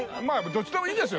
どっちでもいいです。